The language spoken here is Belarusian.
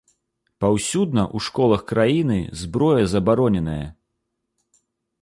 Паўсюдна ў школах краіны зброя забароненая.